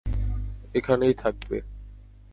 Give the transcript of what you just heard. এখানেই থাকবে।